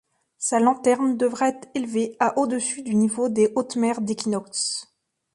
Sa lanterne devra être élevée à au-dessus du niveau des hautes mers d'équinoxe.